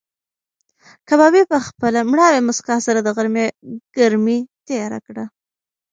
کبابي په خپله مړاوې موسکا سره د غرمې ګرمي تېره کړه.